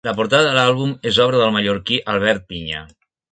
La portada de l'àlbum és obra del mallorquí Albert Pinya.